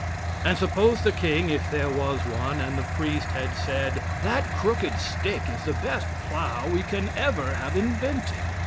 And suppose the king, if there was one, and the priest had said: "That crooked stick is the best plow we can ever have invented.